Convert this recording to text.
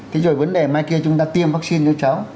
thế rồi vấn đề mai kia chúng ta tiêm vaccine cho cháu